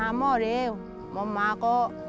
รับสนุกมาก